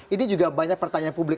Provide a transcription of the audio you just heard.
ini juga banyak pertanyaan publik